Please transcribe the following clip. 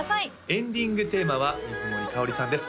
エンディングテーマは水森かおりさんです